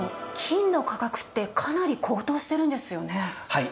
はい。